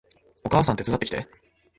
お母さん手伝ってきて